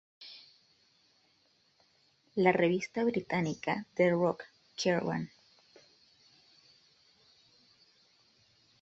La revista británica de rock "Kerrang!